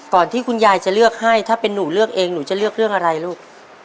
ที่คุณยายจะเลือกให้ถ้าเป็นหนูเลือกเองหนูจะเลือกเรื่องอะไรลูก